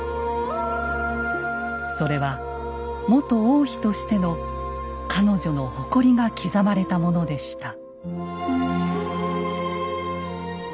それは元王妃としての彼女の誇りが刻まれたものでした。